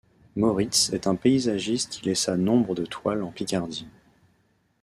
Moritz est un paysagiste qui laissa nombre de toiles en Picardie.